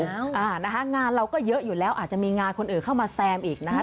อ่านะคะงานเราก็เยอะอยู่แล้วอาจจะมีงานคนอื่นเข้ามาแซมอีกนะคะ